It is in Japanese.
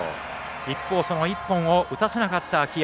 一方、その１本を打たせなかった秋山。